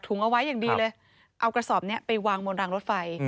เอาไว้อย่างดีเลยเอากระสอบนี้ไปวางบนรางรถไฟ